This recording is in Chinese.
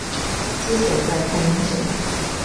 治所在汾阴县。